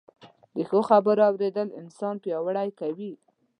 د ښو خبرو اورېدل انسان پياوړی کوي